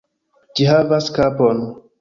Ĝi havas kapon!